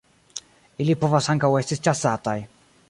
Ili povas ankaŭ esti ĉasataj.